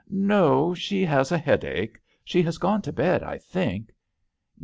4I No ; she has a headache. She has gone to bed, I think."